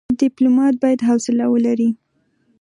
ډيپلومات بايد حوصله ولري.